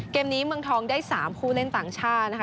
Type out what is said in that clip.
เกมนี้เมืองทองได้๓ผู้เล่นต่างชาตินะคะ